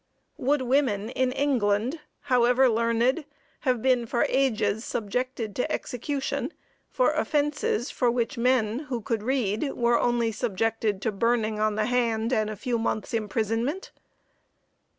Would women in England, however learned, have been for ages subjected to execution for offences for which men, who could read, were only subjected to burning in the hand and a few months imprisonment?